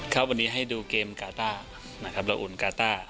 ครับวันนี้ให้ดูเกมกาต้านะครับเราอุ่นกาต้า